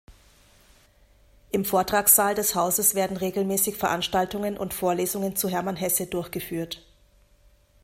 Im Vortragssaal des Hauses werden regelmäßig Veranstaltungen und Vorlesungen zu Hermann Hesse durchgeführt.